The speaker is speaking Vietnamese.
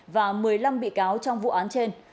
và một mươi năm bị cáo trong vụ án trên